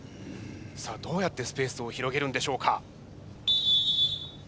さあどうやってスペースを広げるんでしょうか？